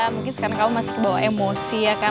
mungkin karena kamu masih dibawa emosi ya kan